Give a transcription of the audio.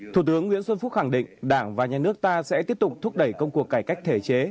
thủ tướng nguyễn xuân phúc khẳng định đảng và nhà nước ta sẽ tiếp tục thúc đẩy công cuộc cải cách thể chế